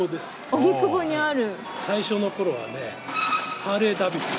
荻窪にある。